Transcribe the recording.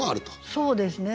そうですね。